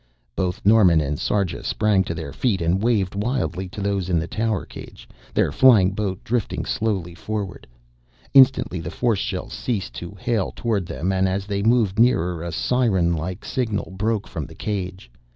Both Norman and Sarja sprang to their feet and waved wildly to those in the tower cage, their flying boat drifting slowly forward. Instantly the force shells ceased to hail toward them, and as they moved nearer a sirenlike signal broke from the cage.